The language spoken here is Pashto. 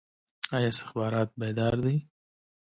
آیا استخبارات بیدار دي؟